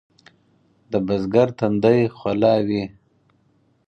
د بزګر تندی خوله وي.